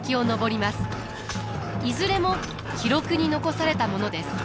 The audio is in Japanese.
いずれも記録に残されたものです。